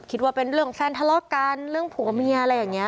คิดว่าเป็นเรื่องแฟนทะเลาะกันเรื่องผัวเมียอะไรอย่างนี้